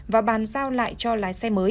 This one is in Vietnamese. và bán giao lại cho đại học sư phạm mầm non